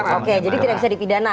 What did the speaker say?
oke jadi tidak bisa dipidana